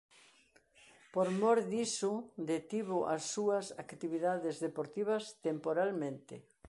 Por mor diso detivo as súas actividades deportivas temporalmente.